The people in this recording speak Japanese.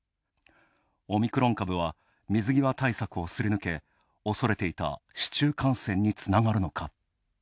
オミクロン株は、水際対策をすり抜け、恐れていた市中感染につながるのか。